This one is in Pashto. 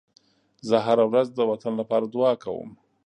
زه هره ورځ د وطن لپاره دعا کوم.